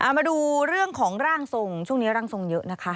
มาดูเรื่องของร่างทรงช่วงนี้ร่างทรงเยอะนะคะ